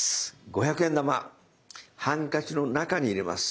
五百円玉ハンカチの中に入れます。